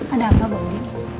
ada apa bu andi